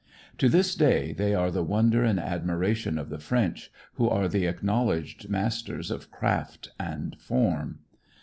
To this day they are the wonder and admiration of the French, who are the acknowledged masters of craft and form.